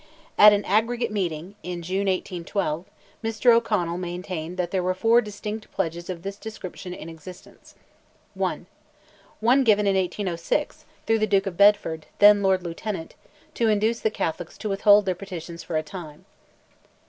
At an aggregate meeting, in June, 1812, Mr. O'Connell maintained that there were four distinct pledges of this description in existence: 1. One given in 1806, through the Duke of Bedford, then Lord Lieutenant, to induce the Catholics to withhold their petitions for a time.